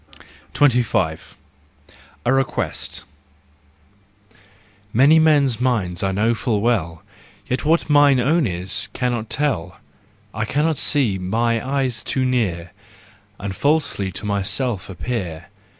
25. A Request . Many men's minds I know full well, Yet what mine own is, cannot tell. I cannot see—my eye's too near— And falsely to myself appear.